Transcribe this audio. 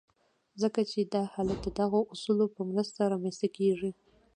ځکه چې دا حالت د دغو اصولو په مرسته رامنځته کېږي.